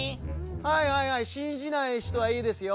はいはいはいしんじないひとはいいですよ。